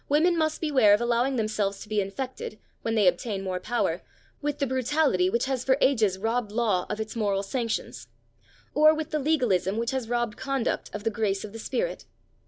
Women must beware of allowing themselves to be infected, when they obtain more power, with the brutality which has for ages robbed law of its moral sanctions, or with the legalism which has robbed conduct of the grace of the spirit.